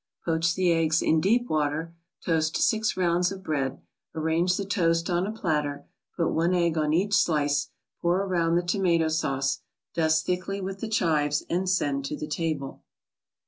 Poach the eggs in deep water. Toast six rounds of bread; arrange the toast on a platter, put one egg on each slice, pour around the tomato sauce, dust thickly with the chives and send to the table.